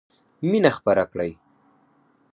مینه خپره کړئ!